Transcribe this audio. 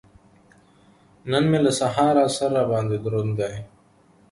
نن مې له سهاره سر را باندې دروند دی.